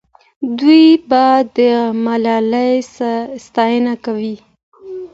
دوی به د ملالۍ ستاینه کوي.